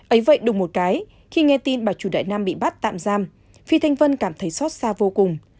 ấy vậy đùng một cái khi nghe tin bà chủ đại nam bị bắt tạm giam phi thanh vân cảm thấy xót xa vô cùng